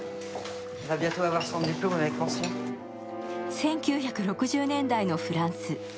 １９６０年代のフランス。